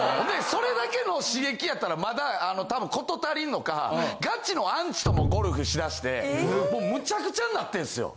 それだけの刺激やったらまだ多分事足りんのかガチのアンチともゴルフしだしてもうむちゃくちゃなってんすよ。